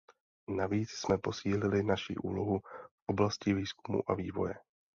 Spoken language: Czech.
Navíc jsme posílili naši úlohu v oblasti výzkumu a vývoje.